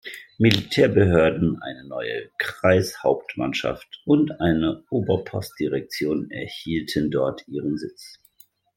Militärbehörden, eine neue Kreishauptmannschaft und eine Oberpostdirektion erhielten dort ihren Sitz.